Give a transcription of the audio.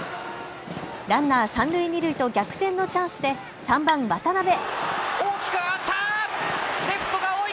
ランナー三塁二塁と逆転のチャンスで３番・渡邉。